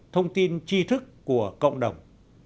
thông tin chi thức của cộng đồng